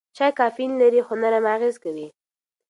چای کافین لري خو نرم اغېز کوي.